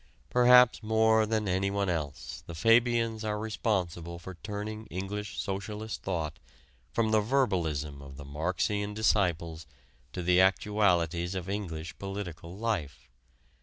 Perhaps more than anyone else, the Fabians are responsible for turning English socialist thought from the verbalism of the Marxian disciples to the actualities of English political life.